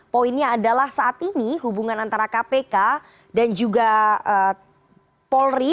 poinnya adalah saat ini hubungan antara kpk dan juga polri